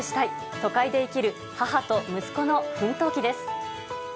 都会で生きる母と息子の奮闘記です。